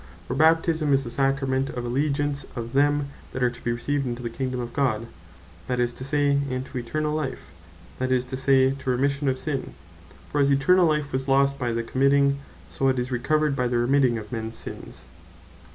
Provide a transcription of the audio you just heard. For Baptisme is the Sacrament of Allegeance, of them that are to be received into the Kingdome of God; that is to say, into Eternall life; that is to say, to Remission of Sin: For as Eternall life was lost by the Committing, so it is recovered by the Remitting of mens Sins.